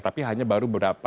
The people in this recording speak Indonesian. tapi hanya baru berapa